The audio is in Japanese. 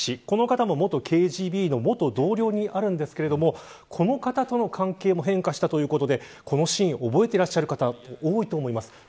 この方も元ＫＧＢの同僚に当たるんですがこの方との関係も変化したということでこのシーン覚えていらっしゃる方多いと思います。